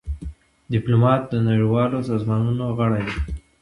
ډيپلومات د نړېوالو سازمانونو غړی وي.